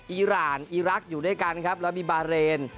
อีร่านอิรักอยู่ด้วยกันแล้วมีบาเรน